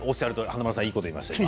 華丸さんいいこと言いました今。